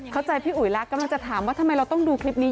เข้าใจพี่อุ๋ยลักษณ์กำลังจะถามว่าทำไมเราต้องดูคลิปนี้